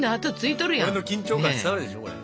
俺の緊張感伝わるでしょこれ。